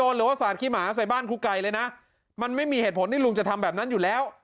ลุงบริเศษได้โยนแย้วศาสตร์ขี้หมาใส่บ้านครูไก่เลยนะมันไม่มีเหตุผลที่ลุงจะทำแบบนั้นอยู่แล้ว